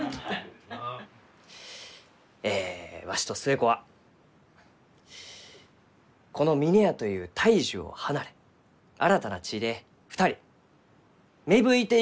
えわしと寿恵子はこの峰屋という大樹を離れ新たな地で２人芽吹いていこうと存じます。